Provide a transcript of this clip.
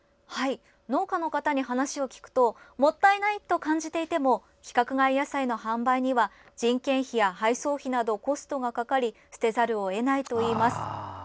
農家の方に話を聞くともったいないと感じていても規格外野菜の販売には人件費や配送費などコストがかかり捨てざるを得ないといいます。